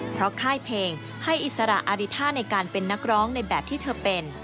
เพราะค่ายเพลงให้อิสระอาริท่าในการเป็นนักร้องในแบบที่เธอเป็น